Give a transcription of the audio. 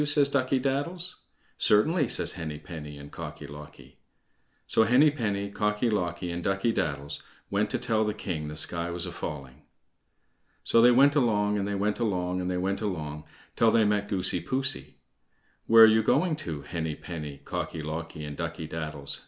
says Ducky daddles. "Certainly," says Henny penny and Cocky locky. So Henny penny, Cocky locky, and Ducky daddles went to tell the king the sky was a falling. So they went along, and they went along, and they went along till they met Goosey poosey. "Where are you going to, Henny penny, Cocky locky, and Ducky daddles?"